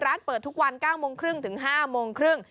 ร้านเปิดทุกวัน๙โมงครึ่งถึง๕โมงครึ่ง